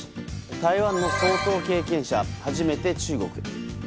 台湾の総統経験者初めて中国へ。